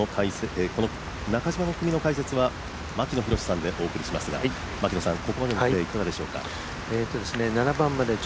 中島の組の解説は牧野裕さんでお送りしますがここまでのプレーいかがでしょうか？